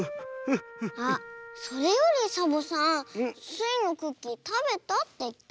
あっそれよりサボさんスイのクッキーたべたっていった？